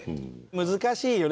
難しいよね